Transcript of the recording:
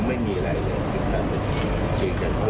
เพราะว่าตอนนี้ข้อสูตรการเงินที่เป็นการเลือกตั้ง